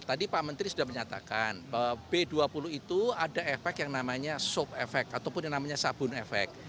tadi pak menteri sudah menyatakan bahwa b dua puluh itu ada efek yang namanya soft efek ataupun yang namanya sabun efek